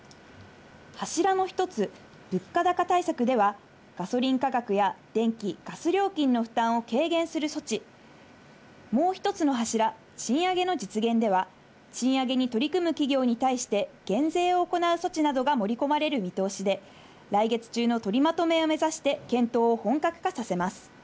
柱の１つ、物価高対策では、ガソリン価格や電気・ガス料金の負担を軽減する措置、もう１つの柱、賃上げの実現では、賃上げに取り組む企業に対して、減税を行う措置などが盛り込まれる見通しで、来月中の取りまとめを目指して検討を本格化させます。